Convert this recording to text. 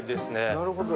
なるほど。